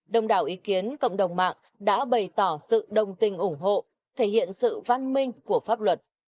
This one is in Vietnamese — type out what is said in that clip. đồng đảo ý kiến cộng đồng mạng đã bày tỏ sự đồng tình ủng hộ thể hiện sự văn minh của pháp luật